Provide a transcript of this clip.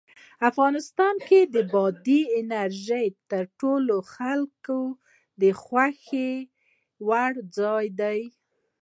افغانستان کې بادي انرژي د ټولو خلکو د خوښې وړ ځای دی.